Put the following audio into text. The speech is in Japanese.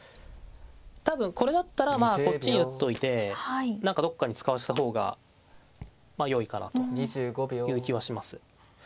多分これだったらこっちに打っといて何かどっかに使わせた方がよいかなという気はします。